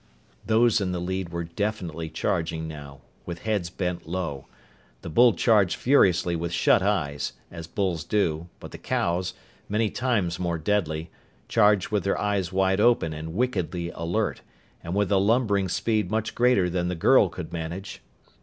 Those in the lead were definitely charging now, with heads bent low. The bull charged furiously with shut eyes, as bulls do, but the cows, many times more deadly, charged with their eyes wide open and wickedly alert, and with a lumbering speed much greater than the girl could manage.